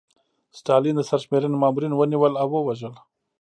ستالین د سرشمېرنې مامورین ونیول او ووژل.